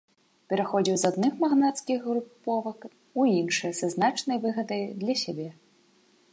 Пераходзіў з адных магнацкіх груповак у іншыя са значнай выгадай для сябе.